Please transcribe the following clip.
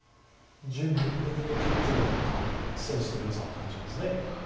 ここで手抜きっていうのは何かセンスのよさを感じます。